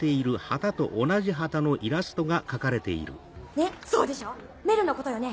ねっそうでしょ？メルのことよね？